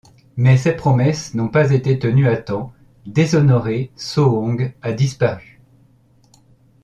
Mais ses promesses n'ont pas été tenues à temps, déshonoré Soong a disparu.